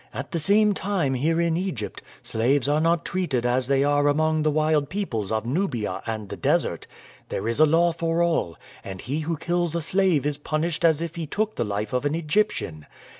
"At the same time, here in Egypt, slaves are not treated as they are among the wild peoples of Nubia and the desert. There is a law for all, and he who kills a slave is punished as if he took the life of an Egyptian.